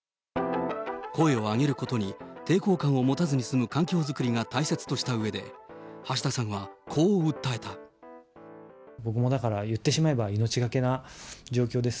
声を上げることに抵抗感を持たずに済む環境作りが大切とした僕もだから、言ってしまえば命懸けな状況です。